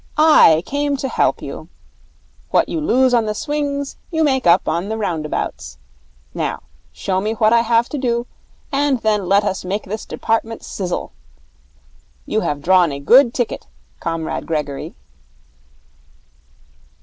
I came to help you. What you lose on the swings, you make up on the roundabouts. Now show me what I have to do, and then let us make this department sizzle. You have drawn a good ticket, Comrade Gregory.'